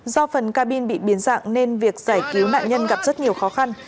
do phần ca bin bị biến dạng nên việc giải cứu nạn nhân gặp rất nhiều khó khăn